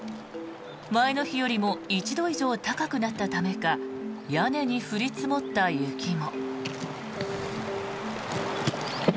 前の日よりも１度以上高くなったためか屋根に降り積もった雪も。